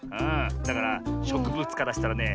だからしょくぶつからしたらね